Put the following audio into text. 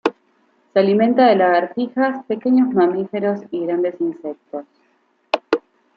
Se alimenta de lagartijas, pequeños mamíferos y grandes insectos.